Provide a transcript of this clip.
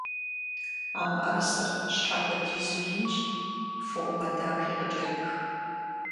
А мыӀэрысэр щхьэ хуэдизу инщ, фоумэ дахи къыкӀэрех.